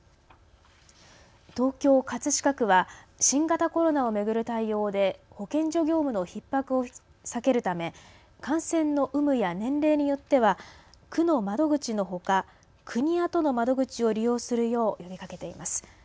東京葛飾区は新型コロナを巡る対応で保健所業務のひっ迫を避けるため感染の有無や年齢によっては区の窓口のほか国や都の窓口を利用するよう呼びかけています。